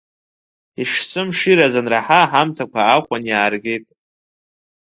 Ишсымшираз анраҳа аҳамҭақәа аахәаны иааргеит.